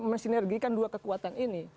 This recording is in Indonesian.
mensinergikan dua kekuatan ini